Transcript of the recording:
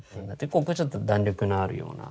ここちょっと弾力のあるような。